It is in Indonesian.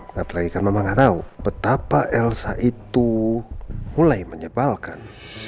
nggak apalagi karena mama nggak tahu betapa elsa itu mulai menyebalkan